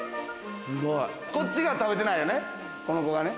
こっちが食べてないよね？